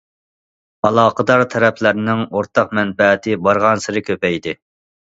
ئالاقىدار تەرەپلەرنىڭ ئورتاق مەنپەئەتى بارغانسېرى كۆپەيدى.